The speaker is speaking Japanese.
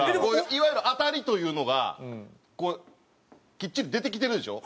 いわゆるアタリというのがこういうきっちり出てきてるでしょ。